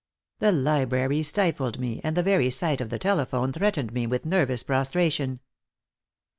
The library stifled me, and the very sight of the telephone threatened me with nervous prostration.